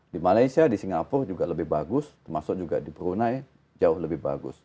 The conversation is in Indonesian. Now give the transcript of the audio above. di malaysia di singapura juga lebih bagus termasuk juga di brunei jauh lebih bagus